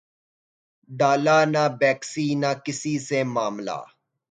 ڈالا نہ بیکسی نے کسی سے معاملہ